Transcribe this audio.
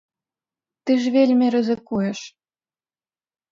Ты ж вельмі рызыкуеш.